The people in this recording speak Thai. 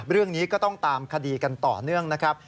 เรื่องนี้ก็ต้องตามคดีกันต่อเนื่องนะครับ